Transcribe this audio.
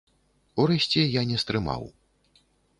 Урэшце я не стрымаў.